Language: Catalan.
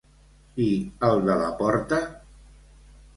I el de la porta?